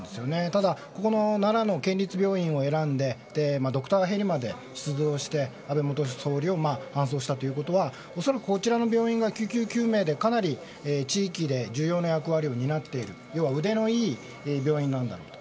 ただ、奈良の県立病院を選んでドクターヘリまで出動して安倍元総理を搬送したということは恐らく、こちらの病院が救急救命でかなり地域で重要な役割を担っている要は腕のいい病院なんだろうと。